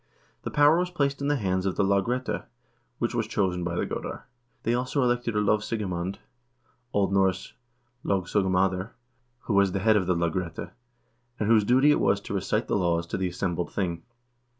The power was placed in the hands of the lagrette, which was chosen by the goder. They also elected a lov sigemand (O. N. logsogumtidr), who was the head of the lagrette, and whose duty it was to recite the laws to the assembled thing.